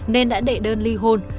nên đã đệ đơn ly hôn